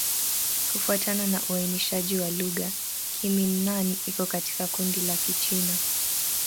Kufuatana na uainishaji wa lugha, Kimin-Nan iko katika kundi la Kichina.